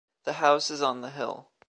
The house is on the hill.